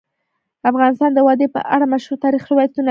افغانستان د وادي په اړه مشهور تاریخی روایتونه لري.